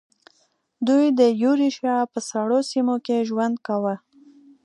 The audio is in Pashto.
دوی د یوریشیا په سړو سیمو کې ژوند کاوه.